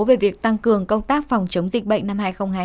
về việc tăng cường công tác phòng chống dịch bệnh năm hai nghìn hai mươi